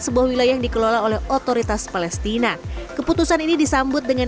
sebuah wilayah yang dikelola oleh otoritas palestina keputusan ini disambut dengan